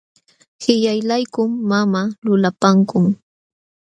Qillaylaykum mamaa lulapankun.